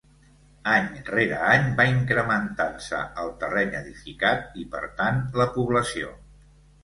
Any rere any va incrementant-se el terreny edificat i per tant la població.